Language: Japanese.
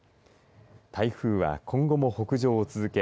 台風は今後も北上を続け